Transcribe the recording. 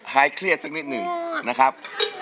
เครียดสักนิดหนึ่งนะครับ